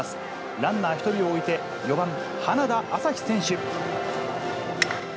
ランナー１人を置いて、４番花田旭選手。